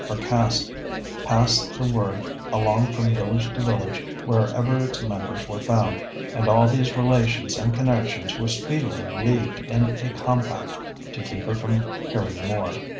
Her Caste passed the word along from village to village wherever its members were found, and all these relations and connections were speedily leagued in a compact to keep her from hearing more.